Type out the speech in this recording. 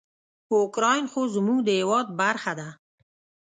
اوکراین خو زموږ د هیواد برخه ده.